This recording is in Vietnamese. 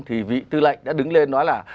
thì vị tư lệnh đã đứng lên nói là